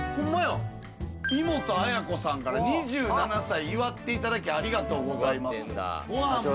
イモトアヤコさんから２７歳、祝っていただきありがとうございます。